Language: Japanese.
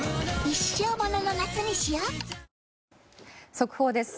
速報です。